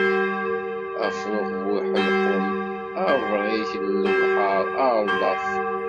Afṛux bu uḥelqum, abṛik n lebḥeṛ, aṛdaf.